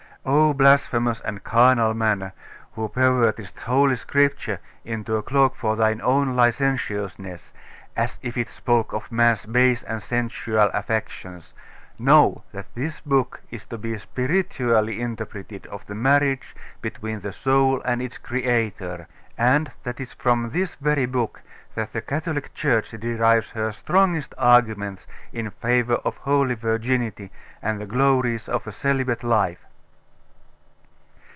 "O blasphemous and carnal man, who pervertest Holy Scripture into a cloak for thine own licentiousness, as if it spoke of man's base and sensual affections, know that this book is to be spiritually interpreted of the marriage between the soul and its Creator, and that it is from this very book that the Catholic Church derives her strongest arguments in favour of holy virginity, and the glories of a celibate life."